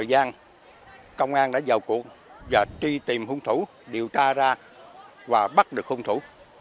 già truy tìm hùng thủ điều tra ra và bắt được hùng thủ